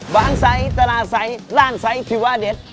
บ้านไซซ์ตราไซซ์ร่านไซซ์ที่ว่าเด็ด